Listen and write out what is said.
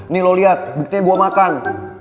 nih lo lihat buktinya gue makan